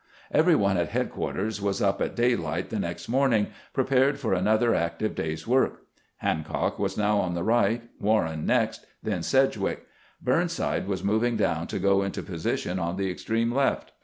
Every one at headquarters was up at daylight the next morning, prepared for another active day's work. Hancock was now on the right, Warren next, then Sedgwick ; Burnside was moving down to go into posi 88 CAMPAIGNING WITH GKANT tion on the extreme left.